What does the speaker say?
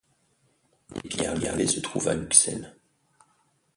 Des pierres levées se trouvent à Uxelles.